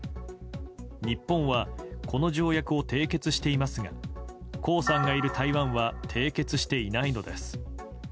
日本は、この条約を締結していますが江さんがいる台湾は締結していないのです。